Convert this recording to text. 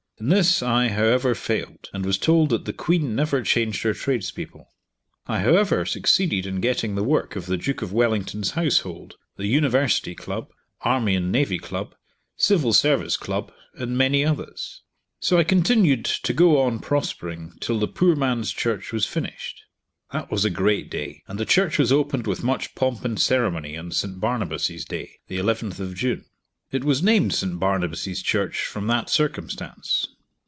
In this I, however, failed, and was told that the Queen never changed her trades people. I, however, succeeded in getting the work of the Duke of Wellington's household, the University Club, Army and Navy Club, Civil Service Club, and many others. So I continued to go on prospering till the Poor Man's Church was finished. That was a great day, and the church was opened with much pomp and ceremony on St. Barnabas's Day, the 11th of June. It was named St. Barnabas's Church from that circumstance.